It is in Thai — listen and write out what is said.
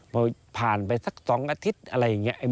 พอผ่านไปสัก๒อาทิตย์อะไรอย่างนี้